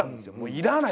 「要らない」